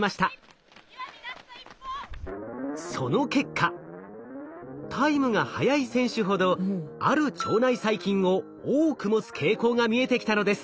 その結果タイムが速い選手ほどある腸内細菌を多く持つ傾向が見えてきたのです。